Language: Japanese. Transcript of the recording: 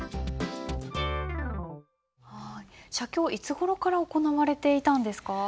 写経いつごろから行われていたんですか？